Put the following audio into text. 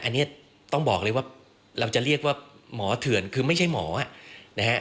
อันนี้ต้องบอกเลยว่าเราจะเรียกว่าหมอเถื่อนคือไม่ใช่หมอนะฮะ